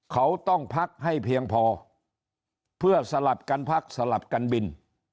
เขาต้องพักให้เพียงพอเพื่อสลับกันพักสลับกันบิน